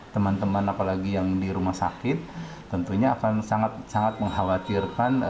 teman teman apalagi yang di rumah sakit tentunya akan sangat sangat mengkhawatirkan